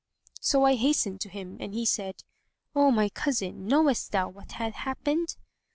So I hastened to him and he said, "O my cousin, knowest thou what hath happened?"